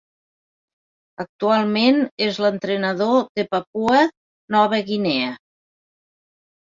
Actualment és l'entrenador de Papua Nova Guinea.